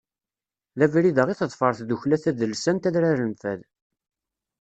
D abrid-a i teḍfer Tdukkla Tadelsant Adrar n Fad.